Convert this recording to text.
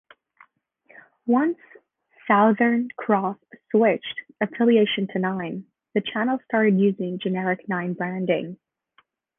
Once Southern Cross switched affiliation to Nine, the channel started using generic Nine branding.